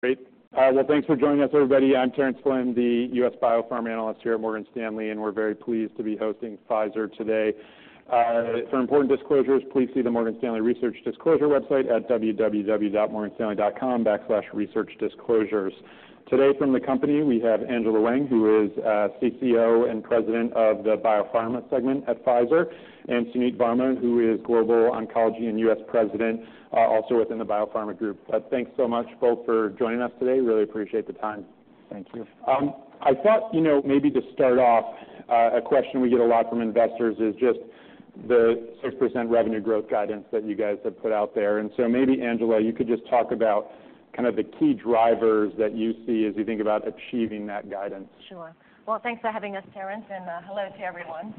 Great. Well, thanks for joining us, everybody. I'm Terence Flynn, the U.S. Biopharma Analyst here at Morgan Stanley, and we're very pleased to be hosting Pfizer today. For important disclosures, please see the Morgan Stanley Research Disclosure website at www.morganstanley.com/researchdisclosures. Today from the company, we have Angela Hwang, who is, CCO and President of the Biopharma Segment at Pfizer, and Suneet Varma, who is Global Oncology and U.S. President, also within the Biopharma Group. Thanks so much, both, for joining us today. Really appreciate the time. Thank you. I thought, you know, maybe to start off, a question we get a lot from investors is just the 6% revenue growth guidance that you guys have put out there. And so maybe, Angela, you could just talk about kind of the key drivers that you see as you think about achieving that guidance? Sure. Well, thanks for having us, Terence, and hello to everyone.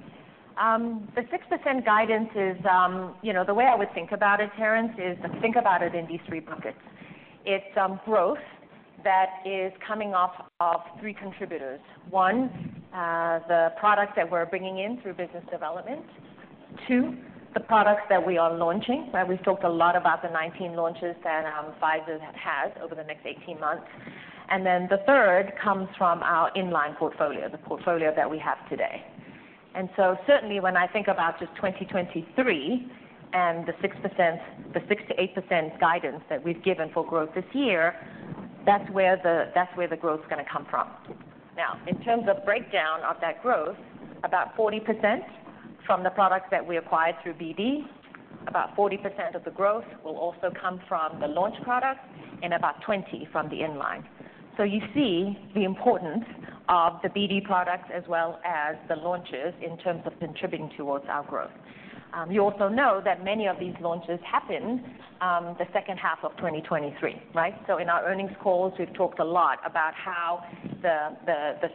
The 6% guidance is, you know, the way I would think about it, Terence, is to think about it in these three buckets. It's growth that is coming off of three contributors. One, the products that we're bringing in through business development. Two, the products that we are launching, right? We've talked a lot about the 19 launches that Pfizer has over the next 18 months. And then the third comes from our in-line portfolio, the portfolio that we have today. And so certainly when I think about just 2023 and the 6%-8% guidance that we've given for growth this year, that's where the, that's where the growth is gonna come from. Now, in terms of breakdown of that growth, about 40% from the products that we acquired through BD, about 40% of the growth will also come from the launch products, and about 20% from the in-line. So you see the importance of the BD products as well as the launches in terms of contributing towards our growth. You also know that many of these launches happen in the second half of 2023, right? So in our earnings calls, we've talked a lot about how the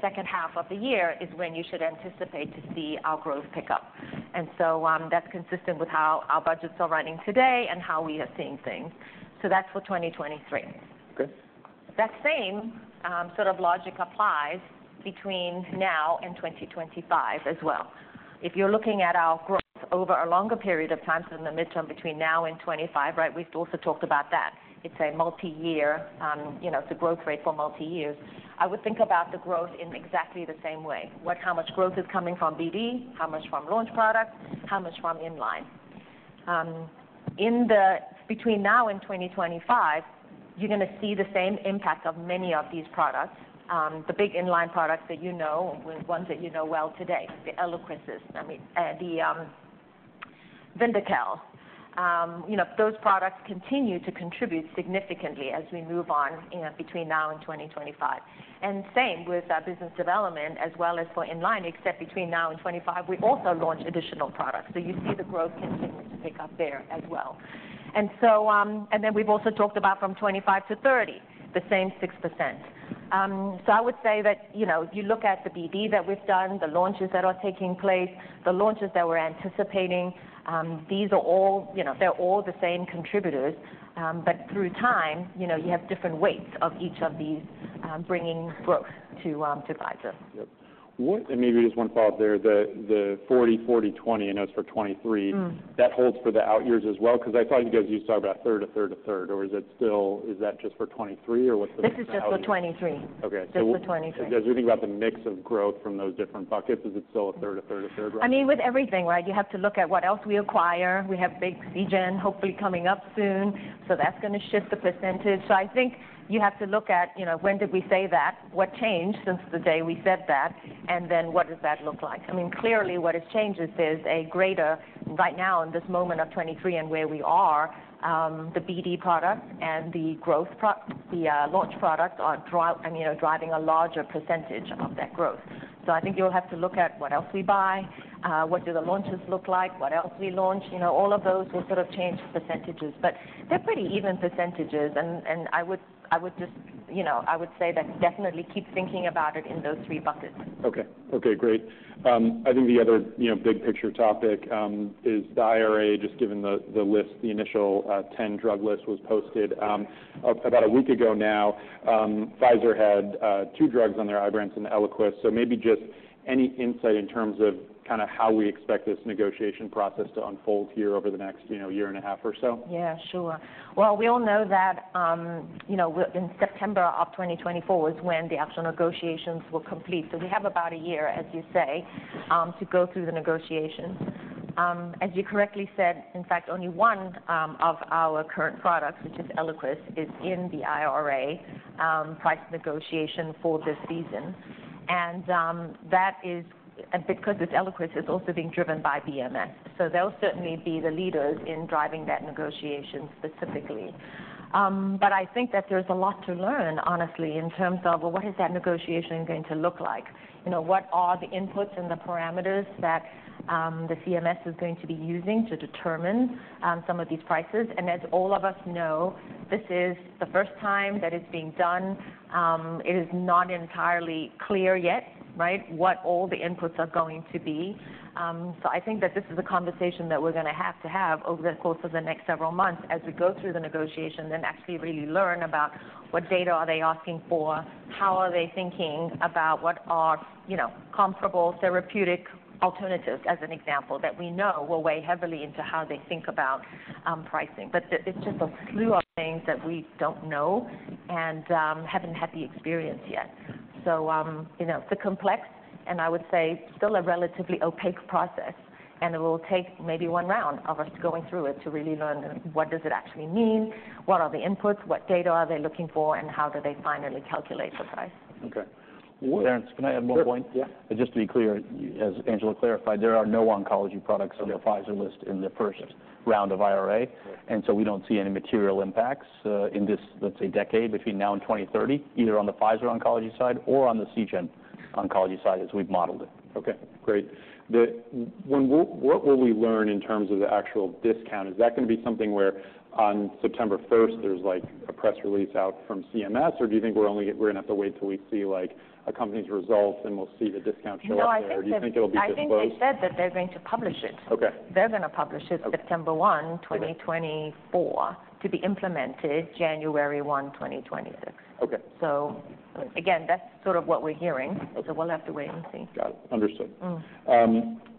second half of the year is when you should anticipate to see our growth pick up. And so, that's consistent with how our budgets are running today and how we are seeing things. So that's for 2023. Good. That same, sort of logic applies between now and 2025 as well. If you're looking at our growth over a longer period of time, so in the midterm between now and 25, right, we've also talked about that. It's a multiyear, you know, it's a growth rate for multiyears. I would think about the growth in exactly the same way. How much growth is coming from BD? how much from launch products? how much from in-line? In between now and 2025, you're gonna see the same impact of many of these products. The big in-line products that you know, ones that you know well today, the Eliquis, I mean, the, Vyndaqel. You know, those products continue to contribute significantly as we move on, you know, between now and 2025. And same with our business development as well as for in-line, except between now and 2025, we also launch additional products. So you see the growth continue to pick up there as well. And so, and then we've also talked about from 2025 to 2030, the same 6%. So I would say that, you know, if you look at the BD that we've done, the launches that are taking place, the launches that we're anticipating, these are all, you know, they're all the same contributors. But through time, you know, you have different weights of each of these, bringing growth to Pfizer. Yep. And maybe just one follow-up there, the 40, 40, 20. I know it's for 2023. That holds for the out years as well, 'cause I thought you guys used to talk about a third, a third, a third, or is it still, is that just for 2023, or what's the- This is just for 2023. Okay. Just for 2023. As we think about the mix of growth from those different buckets, is it still a third, a third, a third? I mean, with everything, right, you have to look at what else we acquire. We have big Seagen hopefully coming up soon, so that's gonna shift the percentage. So I think you have to look at, you know, when did we say that? What changed since the day we said that? And then, what does that look like? I mean, clearly what has changed is there's a greater, right now, in this moment of 2023 and where we are, the BD products and the launch products are driving a larger percentage of that growth. So I think you'll have to look at what else we buy, what do the launches look like, what else we launch. You know, all of those will sort of change the percentages, but they're pretty even percentages, and I would just, you know, I would say that definitely keep thinking about it in those three buckets. Okay. Okay, great. I think the other, you know, big picture topic is the IRA, just given the, the list, the initial 10-drug list was posted about a week ago now. Pfizer had two drugs on there, Ibrance and Eliquis. So maybe just any insight in terms of kind of how we expect this negotiation process to unfold here over the next, you know, year and a half or so? Yeah, sure. Well, we all know that, you know, in September of 2024 is when the actual negotiations will complete. So we have about a year, as you say, to go through the negotiations. As you correctly said, in fact, only one of our current products, which is Eliquis, is in the IRA price negotiation for this season. And that is, because it's Eliquis, it's also being driven by BMS, so they'll certainly be the leaders in driving that negotiation specifically. But I think that there's a lot to learn, honestly, in terms of, well, what is that negotiation going to look like? You know, what are the inputs and the parameters that the CMS is going to be using to determine some of these prices? As all of us know, this is the first time that it's being done. It is not entirely clear yet, right, what all the inputs are going to be. So I think that this is a conversation that we're gonna have to have over the course of the next several months as we go through the negotiation and actually really learn about what data are they asking for, how are they thinking about what are, you know, comparable therapeutic alternatives, as an example, that we know will weigh heavily into how they think about pricing. But it's just a slew of things that we don't know and haven't had the experience yet. So you know, it's a complex-... I would say, still a relatively opaque process, and it will take maybe one round of us going through it to really learn what does it actually mean? What are the inputs? What data are they looking for, and how do they finally calculate the price? Okay. Terence, can I add one point? Sure, yeah. Just to be clear, as Angela clarified, there are no oncology products on the Pfizer list in the first round of IRA. Right. We don't see any material impacts in this, let's say, decade between now and 2030, either on the Pfizer oncology side or on the Seagen oncology side, as we've modeled it. Okay, great. What will we learn in terms of the actual discount? Is that going to be something where on September first, there's, like, a press release out from CMS? Or do you think we're only going to have to wait till we see, like, a company's results, and we'll see the discount show up there? No, I think that- Do you think it'll be disclosed? I think they said that they're going to publish it. Okay. They're going to publish it. Okay September 1, 2024. Okay. To be implemented January 1, 2026. Okay. So again, that's sort of what we're hearing, so we'll have to wait and see. Got it. Understood.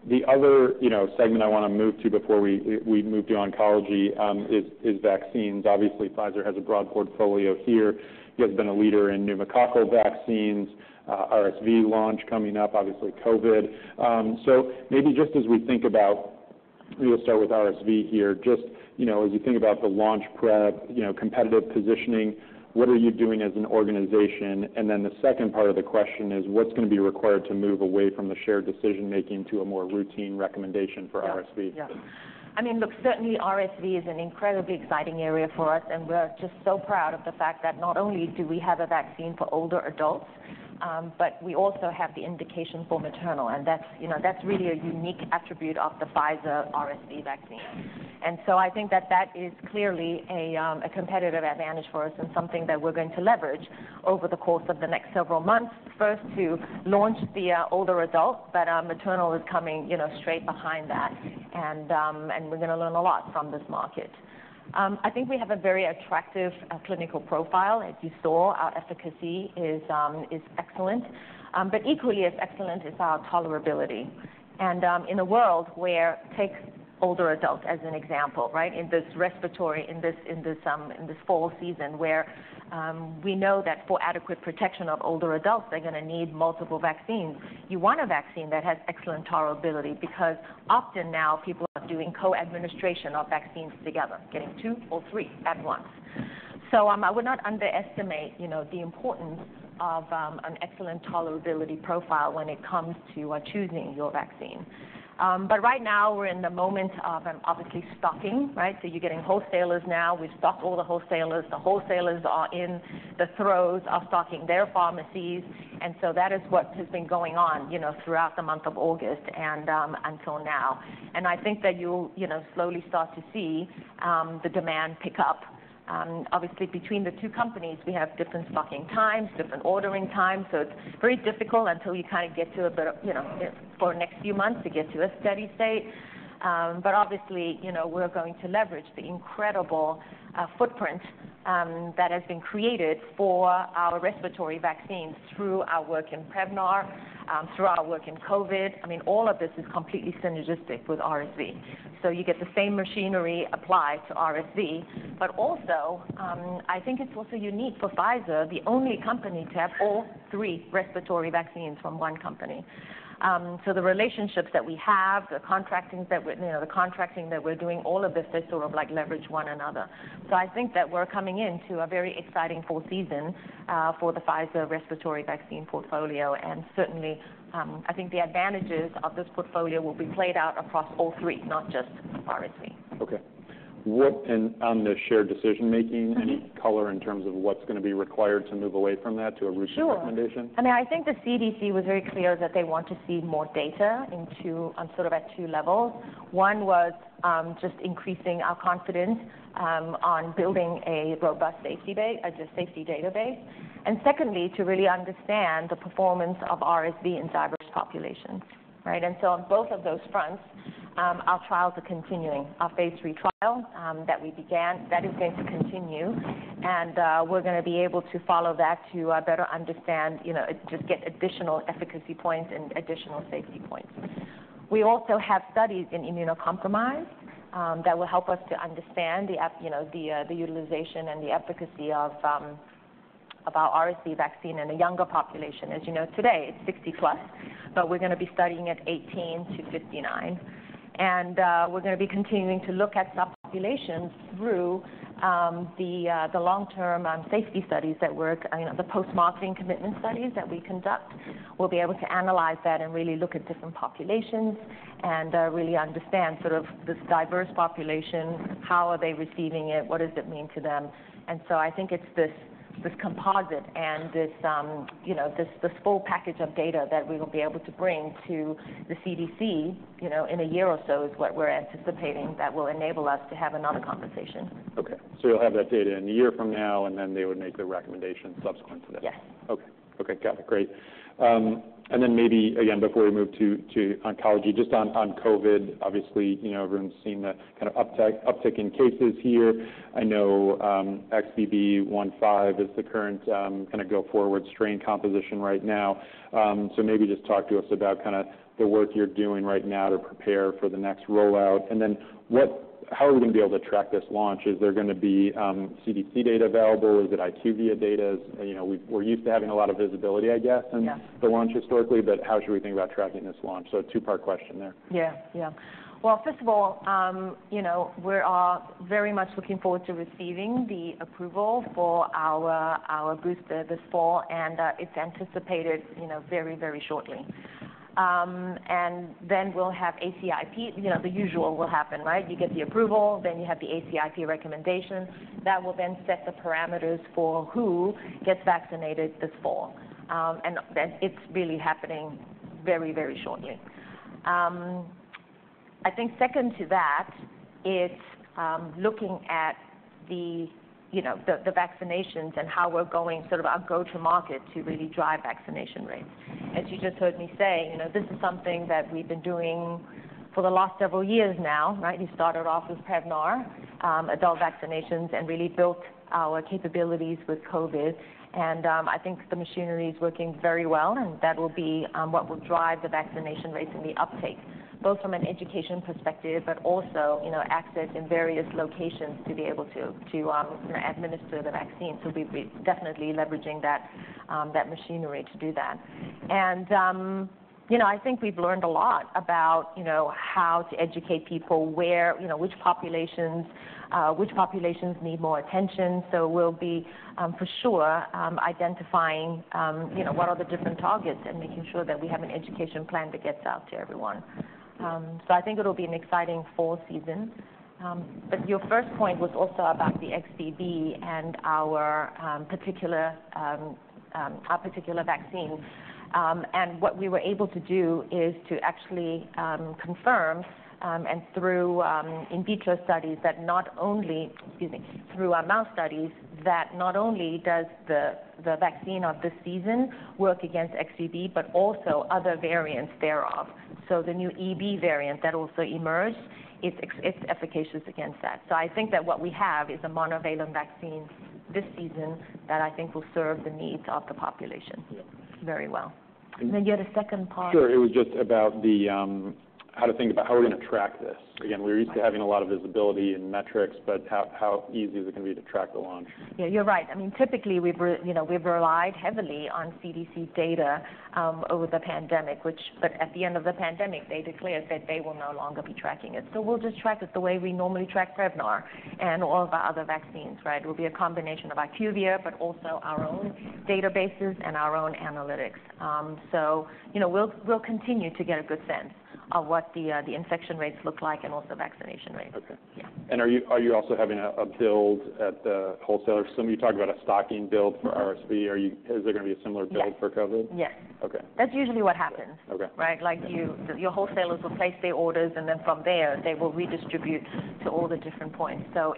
The other, you know, segment I want to move to before we move to oncology is vaccines. Obviously, Pfizer has a broad portfolio here. You have been a leader in pneumococcal vaccines, RSV launch coming up, obviously COVID. So maybe just as we think about... We'll start with RSV here. Just, you know, as you think about the launch prep, you know, competitive positioning, what are you doing as an organization? And then the second part of the question is, what's going to be required to move away from the shared decision-making to a more routine recommendation for RSV? Yeah. Yeah. I mean, look, certainly RSV is an incredibly exciting area for us, and we're just so proud of the fact that not only do we have a vaccine for older adults, but we also have the indication for maternal. And that's, you know, that's really a unique attribute of the Pfizer RSV vaccine. And so I think that that is clearly a, a competitive advantage for us and something that we're going to leverage over the course of the next several months. First, to launch the, older adults, but, maternal is coming, you know, straight behind that. And, and we're going to learn a lot from this market. I think we have a very attractive, clinical profile. As you saw, our efficacy is, is excellent, but equally as excellent is our tolerability. In a world where, take older adults as an example, right? In this respiratory, in this fall season, where we know that for adequate protection of older adults, they're going to need multiple vaccines. You want a vaccine that has excellent tolerability, because often now, people are doing co-administration of vaccines together, getting two or three at once. So, I would not underestimate, you know, the importance of an excellent tolerability profile when it comes to choosing your vaccine. But right now we're in the moment of, obviously, stocking, right? So you're getting wholesalers now. We've stocked all the wholesalers. The wholesalers are in the throes of stocking their pharmacies, and so that is what has been going on, you know, throughout the month of August and until now. I think that you'll, you know, slowly start to see the demand pick up. Obviously, between the two companies, we have different stocking times, different ordering times, so it's very difficult until you kind of get to a bit of, you know, for next few months to get to a steady state. But obviously, you know, we're going to leverage the incredible footprint that has been created for our respiratory vaccines through our work in Prevnar, through our work in COVID. I mean, all of this is completely synergistic with RSV. So you get the same machinery applied to RSV. But also, I think it's also unique for Pfizer, the only company to have all three respiratory vaccines from one company. So the relationships that we have, the contractings that we're, you know, the contracting that we're doing, all of this is sort of, like, leverage one another. So I think that we're coming into a very exciting fall season, for the Pfizer respiratory vaccine portfolio. And certainly, I think the advantages of this portfolio will be played out across all three, not just RSV. Okay. And on the shared decision-making- Any color in terms of what's going to be required to move away from that to a routine recommendation? Sure. I mean, I think the CDC was very clear that they want to see more data into sort of at two levels. One was just increasing our confidence on building a robust safety database. And secondly, to really understand the performance of RSV in diverse populations, right? And so on both of those fronts, our trials are continuing. Our phase III trial that we began, that is going to continue, and we're going to be able to follow that to better understand, you know, just get additional efficacy points and additional safety points. We also have studies in immunocompromised that will help us to understand you know, the utilization and the efficacy of our RSV vaccine in a younger population. As you know, today, it's 60+, but we're going to be studying it 18-59. We're going to be continuing to look at subpopulations through the long-term safety studies that we're—I mean, the post-marketing commitment studies that we conduct. We'll be able to analyze that and really look at different populations and really understand sort of this diverse population, how are they receiving it, what does it mean to them? And so I think it's this, this composite and this, you know, this, this full package of data that we will be able to bring to the CDC, you know, in a year or so, is what we're anticipating, that will enable us to have another conversation. Okay. So you'll have that data in a year from now, and then they would make their recommendation subsequent to that? Yes. Okay. Okay, got it. Great. And then maybe, again, before we move to oncology, just on COVID, obviously, you know, everyone's seen the kind of uptick in cases here. I know, XBB.1.5 is the current kind of go-forward strain composition right now. So maybe just talk to us about kind of the work you're doing right now to prepare for the next rollout. And then how are we going to be able to track this launch? Is there going to be CDC data available, or is it IQVIA data? You know, we're used to having a lot of visibility, I guess- Yeah... In the launch historically, but how should we think about tracking this launch? So a two-part question there. Yeah, yeah. Well, first of all, you know, we are very much looking forward to receiving the approval for our, our booster this fall, and, it's anticipated, you know, very, very shortly. And then we'll have ACIP, you know, the usual will happen, right? You get the approval, then you have the ACIP recommendation. That will then set the parameters for who gets vaccinated this fall. And then it's really happening very, very shortly. I think second to that, it's looking at the, you know, the, the vaccinations and how we're going, sort of our go-to-market to really drive vaccination rates. As you just heard me say, you know, this is something that we've been doing for the last several years now, right? We started off with Prevnar, adult vaccinations, and really built our capabilities with COVID. And, I think the machinery is working very well, and that will be, what will drive the vaccination rates and the uptake, both from an education perspective, but also, you know, access in various locations to be able to, to, you know, administer the vaccine. So we, we're definitely leveraging that, that machinery to do that. And, you know, I think we've learned a lot about, you know, how to educate people, where- you know, which populations, which populations need more attention. So we'll be, for sure, identifying, you know, what are the different targets and making sure that we have an education plan that gets out to everyone. So I think it'll be an exciting fall season. But your first point was also about the XBB and our, particular, our particular vaccine. And what we were able to do is to actually confirm, and through our mouse studies, that not only does the vaccine of this season work against XBB, but also other variants thereof. So the new EB variant that also emerged, it's efficacious against that. So I think that what we have is a monovalent vaccine this season that I think will serve the needs of the population very well. And then you had a second part? Sure. It was just about the, how to think about how we're going to track this. Again, we're used to having a lot of visibility and metrics, but how easy is it going to be to track the launch? Yeah, you're right. I mean, typically, you know, we've relied heavily on CDC data over the pandemic, but at the end of the pandemic, they declared that they will no longer be tracking it. So we'll just track it the way we normally track Prevnar and all of our other vaccines, right? It will be a combination of IQVIA, but also our own databases and our own analytics. So, you know, we'll continue to get a good sense of what the infection rates look like and also vaccination rates. Okay. Yeah. Are you also having a build at the wholesaler? Some of you talked about a stocking build for RSV. Is there going to be a similar build for COVID? Yes. Okay. That's usually what happens. Okay. Right? Like, your wholesalers will place their orders, and then from there, they will redistribute to all the different points. Great. So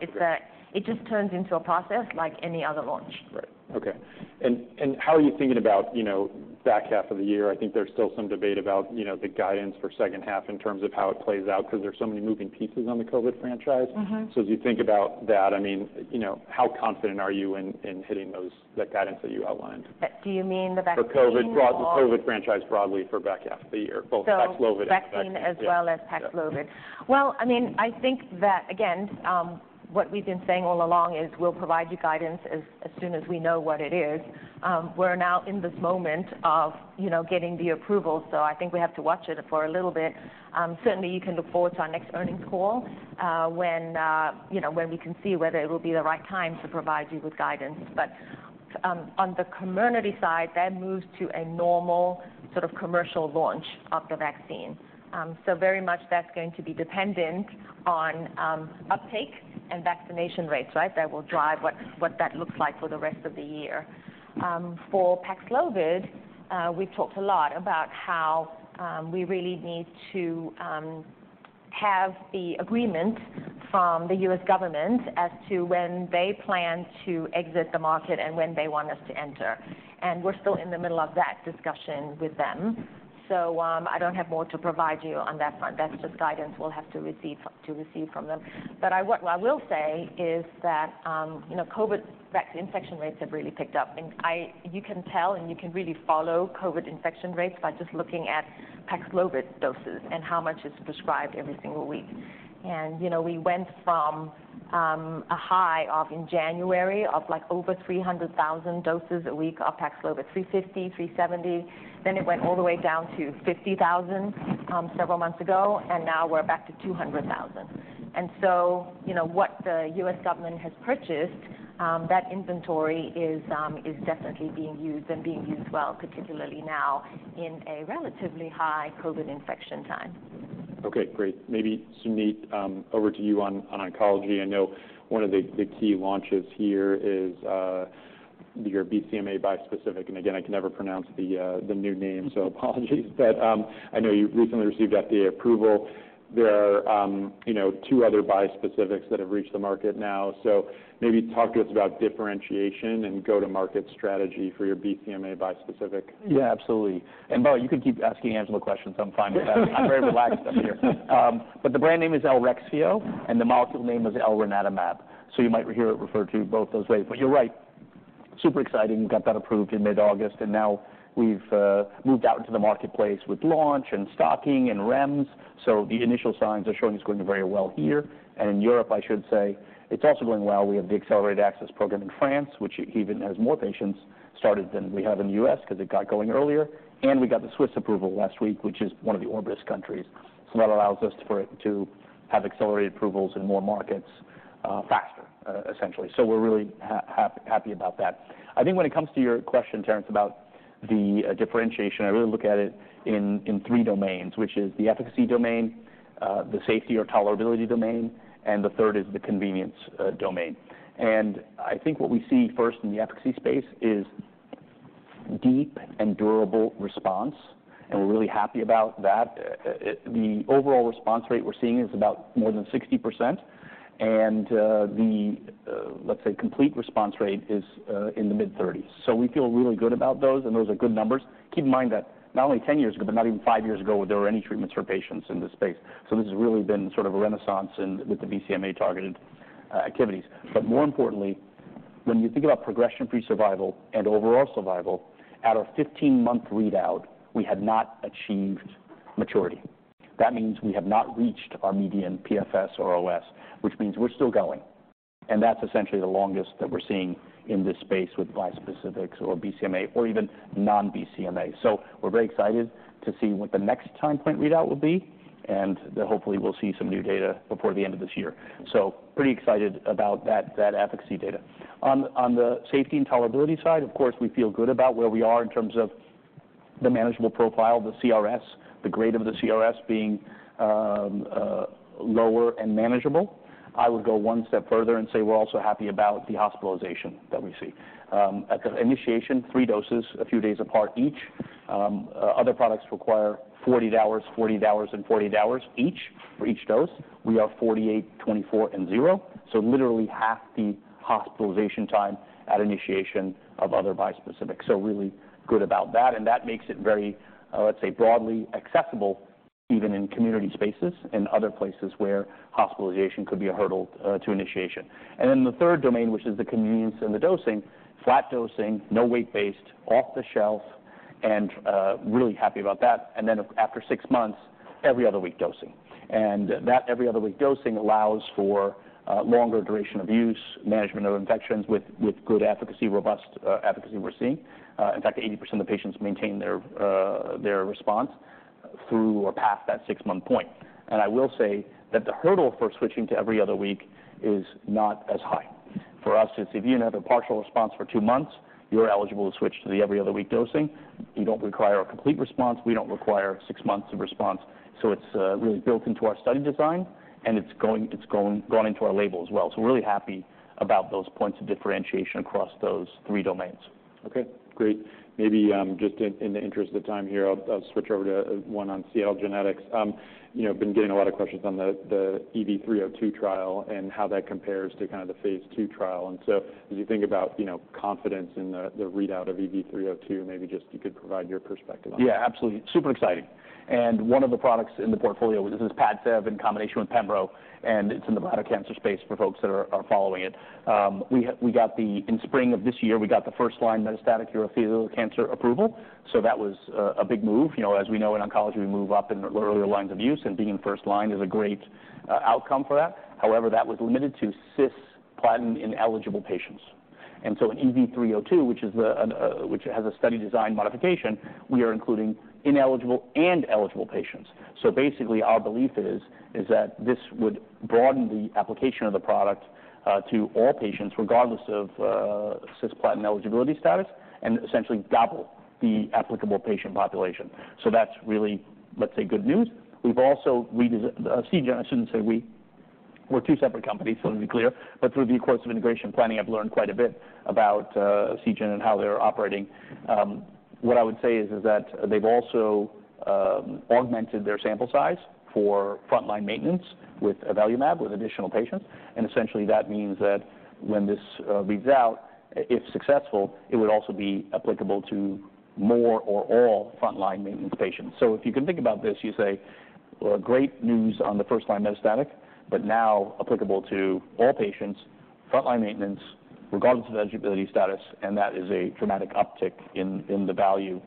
it just turns into a process like any other launch. Right. Okay. And, and how are you thinking about, you know, back half of the year? I think there's still some debate about, you know, the guidance for second half in terms of how it plays out, because there's so many moving pieces on the COVID franchise. As you think about that, I mean, you know, how confident are you in hitting those, that guidance that you outlined? Do you mean the vaccine? For COVID, the COVID franchise broadly for back half of the year, both Paxlovid and- Vaccine as well as Paxlovid. Yeah. Well, I mean, I think that, again, what we've been saying all along is we'll provide you guidance as soon as we know what it is. We're now in this moment of, you know, getting the approval, so I think we have to watch it for a little bit. Certainly, you can look forward to our next earnings call, when, you know, when we can see whether it will be the right time to provide you with guidance. But, on the commercial side, that moves to a normal sort of commercial launch of the vaccine. So very much that's going to be dependent on, uptake and vaccination rates, right? That will drive what that looks like for the rest of the year. For Paxlovid, we've talked a lot about how we really need to have the agreement from the U.S. government as to when they plan to exit the market and when they want us to enter, and we're still in the middle of that discussion with them. So, I don't have more to provide you on that front. That's just guidance we'll have to receive, to receive from them. But what I will say is that, you know, COVID infection rates have really picked up, and you can tell, and you can really follow COVID infection rates by just looking at Paxlovid doses and how much is prescribed every single week. And, you know, we went from a high of, in January, of, like, over 300,000 doses a week of Paxlovid, 350, 370. Then it went all the way down to 50,000 several months ago, and now we're back to 200,000. And so, you know, what the U.S. government has purchased, that inventory is definitely being used and being used well, particularly now in a relatively high COVID infection time. Okay, great. Maybe, Suneet, over to you on, on oncology. I know one of the, the key launches here is, your BCMA bispecific, and again, I can never pronounce the, the new name, so apologies. But, I know you recently received FDA approval. There are, you know, two other bispecifics that have reached the market now. So maybe talk to us about differentiation and go-to-market strategy for your BCMA bispecific. Yeah, absolutely. And by the way, you can keep asking Angela questions. I'm fine with that. I'm very relaxed up here. But the brand name is Elrexfio, and the molecule name is elranatamab, so you might hear it referred to both those ways. But you're right, super exciting. We got that approved in mid-August, and now we've moved out into the marketplace with launch and stocking and REMS. So the initial signs are showing it's going very well here. And in Europe, I should say, it's also going well. We have the Accelerated Access Program in France, which even has more patients started than we have in the U.S. because it got going earlier. And we got the Swiss approval last week, which is one of the Orbis countries, so that allows us for it to have accelerated approvals in more markets, faster, essentially. So we're really happy about that. I think when it comes to your question, Terence, about the differentiation, I really look at it in three domains, which is the efficacy domain, the safety or tolerability domain, and the third is the convenience domain. And I think what we see first in the efficacy space is deep and durable response, and we're really happy about that. The overall response rate we're seeing is about more than 60%, and the, let's say, complete response rate is in the mid-thirties. So we feel really good about those, and those are good numbers. Keep in mind that not only 10 years ago, but not even five years ago, were there any treatments for patients in this space. So this has really been sort of a renaissance in with the BCMA-targeted activities. But more importantly, when you think about progression-free survival and overall survival, at our 15-month readout, we had not achieved maturity. That means we have not reached our median PFS or OS, which means we're still going, and that's essentially the longest that we're seeing in this space with bispecifics or BCMA or even non-BCMA. So we're very excited to see what the next time point readout will be, and then, hopefully, we'll see some new data before the end of this year. So pretty excited about that, that efficacy data. On the safety and tolerability side, of course, we feel good about where we are in terms of the manageable profile, the CRS, the grade of the CRS being lower and manageable. I would go one step further and say we're also happy about the hospitalization that we see. At the initiation, three doses, a few days apart each. Other products require 48 hours, 48 hours, and 48 hours each for each dose. We are 48, 24, and 0, so literally half the hospitalization time at initiation of other bispecifics. So really good about that, and that makes it very, let's say, broadly accessible, even in community spaces and other places where hospitalization could be a hurdle to initiation. And then the third domain, which is the convenience in the dosing, flat dosing, no weight-based, off-the-shelf, and really happy about that. And then after six months, every other week dosing. And that every other week dosing allows for longer duration of use, management of infections with good efficacy, robust efficacy we're seeing. In fact, 80% of patients maintain their their response through or past that 6-month point. I will say that the hurdle for switching to every other week is not as high. For us, it's if you have a partial response for two months, you're eligible to switch to the every other week dosing. You don't require a complete response. We don't require six months of response. So it's really built into our study design, and it's going into our label as well. So we're really happy about those points of differentiation across those three domains. Okay, great. Maybe just in the interest of time here, I'll switch over to one on Seagen. You know, been getting a lot of questions on the EV-302 trial and how that compares to kind of the phase II trial. And so as you think about, you know, confidence in the readout of EV-302, maybe just you could provide your perspective on that. Yeah, absolutely. Super exciting. And one of the products in the portfolio, this is Padcev in combination with pembro, and it's in the bladder cancer space for folks that are following it. We got the... In spring of this year, we got the first line metastatic urothelial cancer approval, so that was a big move. You know, as we know in oncology, we move up in the earlier lines of use, and being in first line is a great outcome for that. However, that was limited to cisplatin-ineligible patients. And so in EV-302, which has a study design modification, we are including ineligible and eligible patients. So basically, our belief is that this would broaden the application of the product to all patients, regardless of cisplatin eligibility status, and essentially double the applicable patient population. So that's really, let's say, good news. We've also Seagen, I shouldn't say we. We're two separate companies, so to be clear, but through the course of integration planning, I've learned quite a bit about Seagen and how they're operating. What I would say is that they've also augmented their sample size for frontline maintenance with avelumab, with additional patients. And essentially, that means that when this reads out, if successful, it would also be applicable to more or all frontline maintenance patients. So if you can think about this, you say, well, great news on the first-line metastatic, but now applicable to all patients, frontline maintenance, regardless of eligibility status, and that is a dramatic uptick in the value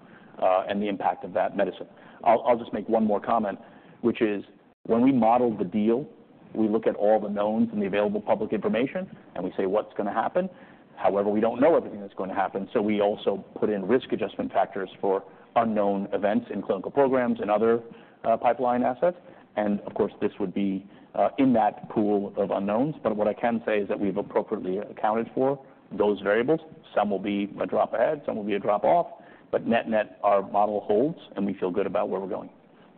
and the impact of that medicine. I'll just make one more comment, which is when we modeled the deal, we look at all the knowns and the available public information, and we say: What's going to happen? However, we don't know everything that's going to happen, so we also put in risk adjustment factors for unknown events in clinical programs and other pipeline assets. And of course, this would be in that pool of unknowns. But what I can say is that we've appropriately accounted for those variables. Some will be a drop ahead, some will be a drop off, but net-net, our model holds, and we feel good about where we're going.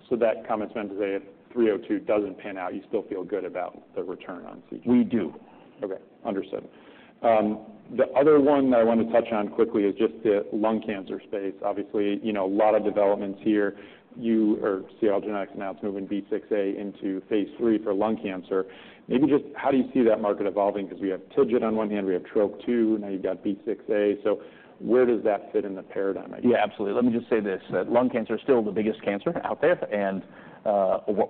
So, that comments then to say, if 302 doesn't pan out, you still feel good about the return on Seagen? We do. Okay, understood. The other one that I want to touch on quickly is just the lung cancer space. Obviously, you know, a lot of developments here. Seagen now is moving B6A into phase III for lung cancer. Maybe just how do you see that market evolving? Because we have TIGIT on one hand, we have Trop-2, now you've got B6A. So where does that fit in the paradigm, I guess? Yeah, absolutely. Let me just say this, that lung cancer is still the biggest cancer out there, and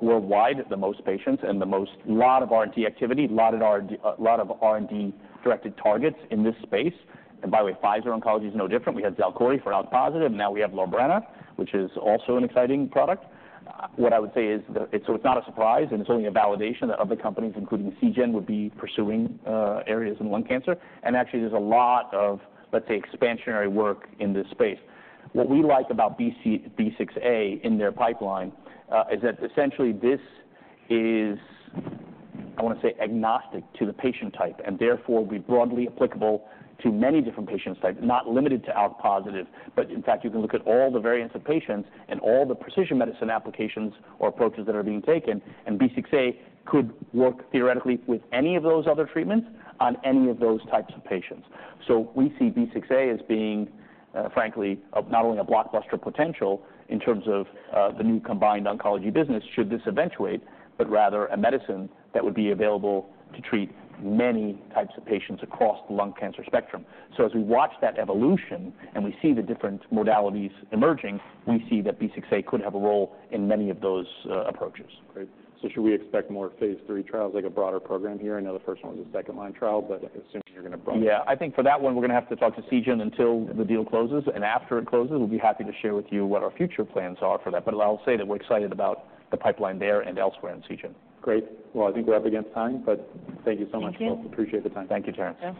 worldwide, the most patients and the most... A lot of R&D activity, a lot of R&D-directed targets in this space. And by the way, Pfizer Oncology is no different. We have Talzenna for ALK-positive, and now we have Lorbrena, which is also an exciting product. What I would say is that it's so it's not a surprise, and it's only a validation that other companies, including Seagen, would be pursuing areas in lung cancer. And actually, there's a lot of, let's say, expansionary work in this space. What we like about B6A in their pipeline is that essentially this is, I want to say, agnostic to the patient type, and therefore, will be broadly applicable to many different patient types, not limited to ALK-positive. But in fact, you can look at all the variants of patients and all the precision medicine applications or approaches that are being taken, and B6A could work theoretically with any of those other treatments on any of those types of patients. So we see B6A as being, frankly, of not only a blockbuster potential in terms of the new combined oncology business, should this eventuate, but rather a medicine that would be available to treat many types of patients across the lung cancer spectrum. So as we watch that evolution and we see the different modalities emerging, we see that B6A could have a role in many of those, approaches. Great. So should we expect more phase III trials, like a broader program here? I know the first one was a second-line trial, but I assume you're going to broaden. Yeah. I think for that one, we're going to have to talk to Seagen until the deal closes, and after it closes, we'll be happy to share with you what our future plans are for that. But I'll say that we're excited about the pipeline there and elsewhere in Seagen. Great. Well, I think we're up against time, but thank you so much. Thank you. Appreciate the time. Thank you, Terence.